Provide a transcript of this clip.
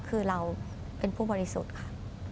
คือเราเป็นผู้บริสุทธิ์ค่ะ